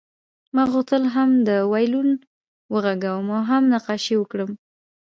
ما غوښتل هم وایلون وغږوم او هم نقاشي وکړم